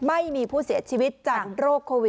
ไม่มีผู้เสียชีวิตจากโรคโควิด